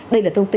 đây là thông tin